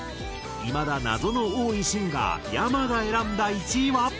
いまだ謎の多いシンガーｙａｍａが選んだ１位は。